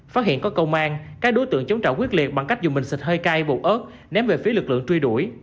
phát hiện có công an các đối tượng chống trả quyết liệt bằng cách dùng bình xịt hơi cay bột ớt ném về phía lực lượng truy đuổi